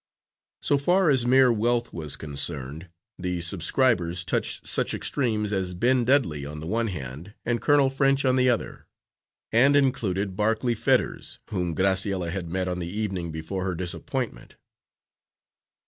So far as mere wealth was concerned, the subscribers touched such extremes as Ben Dudley on the one hand and Colonel French on the other, and included Barclay Fetters, whom Graciella had met on the evening before her disappointment.